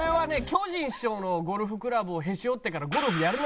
巨人師匠のゴルフクラブをへし折ってからゴルフやる